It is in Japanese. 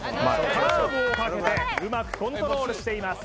カーブをかけてうまくコントロールしています